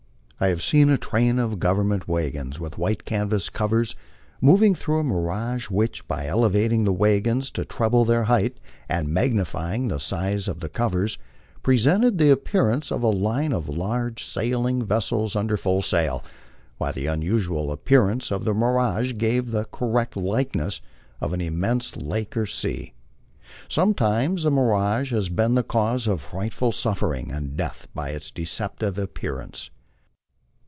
I have seen a train of government wagons with white canvas covers mov ing through a mirage which, by elevating the wagons to treble their height and magnifying the size of the covers, presented the appearance of a line of large sailing vessels under full sail, while the usual appearance of the mi rage gave a correct likeness of an immense lake or sea. Sometimes the mi rage has been the cause of frightful suffering and death by its deceptive ap pearance.